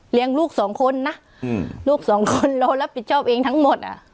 ลูกสองคนนะลูกสองคนเรารับผิดชอบเองทั้งหมดอ่ะ